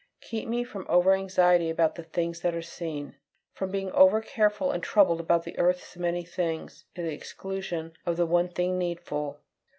Keep me from over anxiety about the things that are seen from being over careful and troubled about earth's "many things," to the exclusion of the one thing needful!